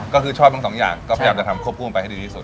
ก็คือชอบทั้งสองอย่างก็พยายามจะทำควบคู่กันไปให้ดีที่สุด